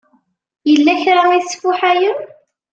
Yella kra i tesfuḥayem?